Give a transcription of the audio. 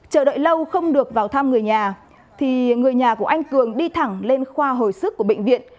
chờ đợi lâu không được vào thăm người nhà thì người nhà của anh cường đi thẳng lên khoa hồi sức của bệnh viện